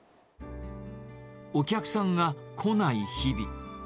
お客さんが来ない日々。